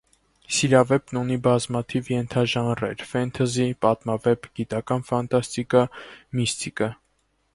Սիրավեպն ունի բազմաթիվ ենթաժանրեր՝ ֆենտեզի, պատմավեպ, գիտական ֆանտաստիկա, միստիկա։